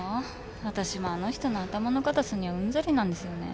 私もあの人の頭の固さにはうんざりなんですよね。